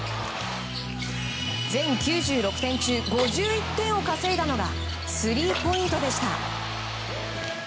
全９６点中５１点を稼いだのがスリーポイントでした。